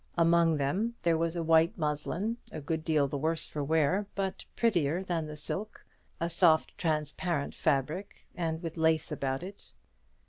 Among them there was a white muslin, a good deal the worse for wear, but prettier than the silk; a soft transparent fabric, and with lace about it.